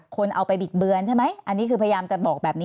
คนเอาไปบิดเบือนใช่ไหมอันนี้คือพยายามจะบอกแบบนี้